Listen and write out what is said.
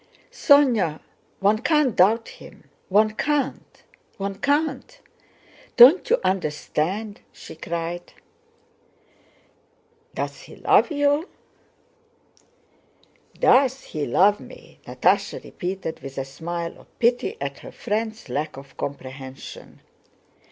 "Sónya, one can't doubt him! One can't, one can't! Don't you understand?" she cried. "Does he love you?" "Does he love me?" Natásha repeated with a smile of pity at her friend's lack of comprehension.